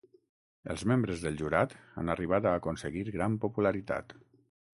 Els membres del jurat han arribat a aconseguir gran popularitat.